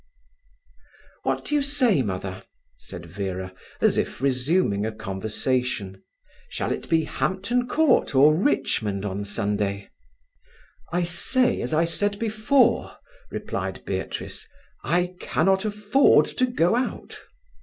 "What do you say, Mother?" said Vera, as if resuming a conversation. "Shall it be Hampton Court or Richmond on Sunday?" "I say, as I said before," replied Beatrice: "I cannot afford to go out."